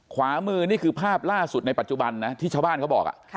ขวามือนี่คือภาพล่าสุดในปัจจุบันนะที่ชาวบ้านเขาบอก